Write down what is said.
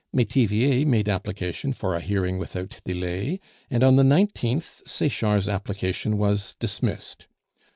Metivier made application for a hearing without delay, and on the 19th, Sechard's application was dismissed.